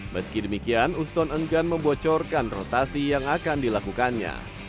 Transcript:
meski demikian uston enggan membocorkan rotasi yang akan dilakukannya